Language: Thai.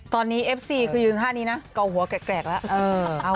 ตอนนี้เอฟซีคือยืนท่านี้นะเก่าหัวแกรกแล้ว